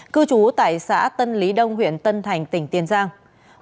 cư trú tại xã tân lý đông huyện tân thành tỉnh thừa thiên huế